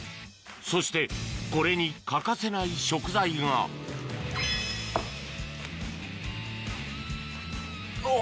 そしてこれに欠かせない食材がおぉ！